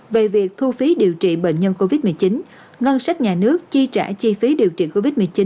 về việc thu phí điều trị bệnh nhân covid một mươi chín ngân sách nhà nước chi trả chi phí điều trị covid một mươi chín